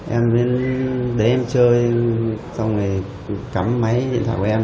em đến đến em chơi xong rồi cắm máy điện thoại của em